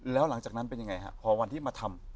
แล้วหลังจากนั้นเป็นยังไงฮะพอวันที่มาทำ